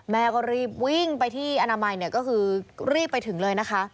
แม่ก็รีบวิ่งไปตรงอนามัยรีบไปถึงเลย